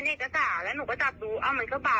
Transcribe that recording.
แล้วหนูก็ตัดดูมันก็เปล่า